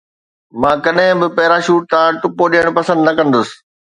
مان ڪڏهن به پيراشوٽ تان ٽپو ڏيڻ پسند نه ڪندس